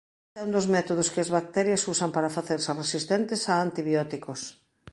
Este é un dos métodos que as bacterias usan para facerse resistentes a antibióticos.